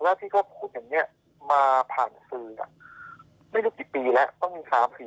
แล้วที่เขาพูดอย่างนี้มาผ่านสื่อไม่รู้กี่ปีแล้วต้องมี๓๔